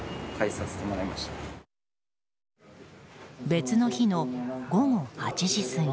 別の日の午後８時過ぎ。